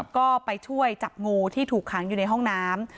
ก็ไปช่วยจับงูที่ถูกขังอยู่ในห้องน้ำ